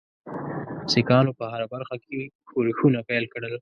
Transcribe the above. سیکهانو په هره برخه کې ښورښونه پیل کړل.